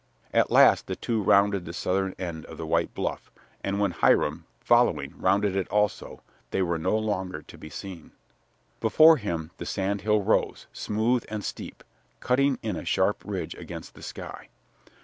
At last the two rounded the southern end of the white bluff, and when Hiram, following, rounded it also, they were no longer to be seen. Before him the sand hill rose, smooth and steep, cutting in a sharp ridge against the sky.